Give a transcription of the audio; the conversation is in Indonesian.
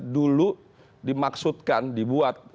dulu dimaksudkan dibuat